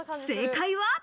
正解は？